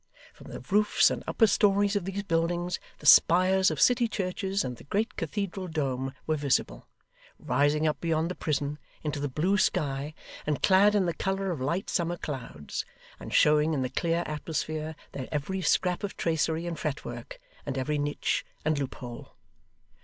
From the roofs and upper stories of these buildings, the spires of city churches and the great cathedral dome were visible, rising up beyond the prison, into the blue sky, and clad in the colour of light summer clouds, and showing in the clear atmosphere their every scrap of tracery and fretwork, and every niche and loophole.